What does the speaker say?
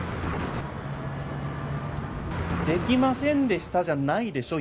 「できませんでした」じゃないでしょ